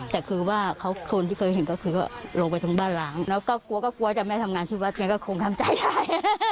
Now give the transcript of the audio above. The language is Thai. แต่คือว่าคนที่เคยเห็นก็คือก็ลงไปตรงบ้านล้างแล้วก็กลัวก็กลัวจะไม่ทำงานที่วัดไงก็คงทำใจได้